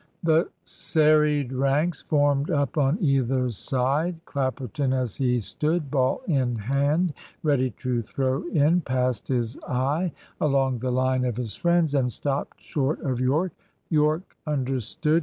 The serried ranks formed up on either side. Clapperton, as he stood, ball in hand, ready to throw in, passed his eye along the line of his friends, and stopped short of Yorke. Yorke understood.